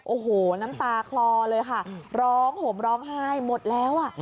โอ้โหน้ำตาคลอเลยค่ะร้องห่มร้องไห้หมดแล้วอ่ะ